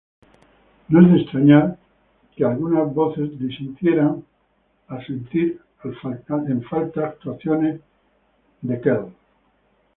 No es de extrañar que algunas voces disidentes sintieron actuaciones de Kehl había dejado.